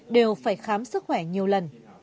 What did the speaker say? đều phải khám sức khỏe nhiều lần